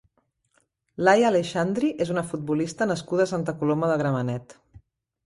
Laia Aleixandri és una futbolista nascuda a Santa Coloma de Gramenet.